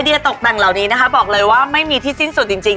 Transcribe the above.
ไอเดียตกฝั่งเหล่านี้ก็บอกเลยว่าไม่มีที่สิ้นสุดอีกจริง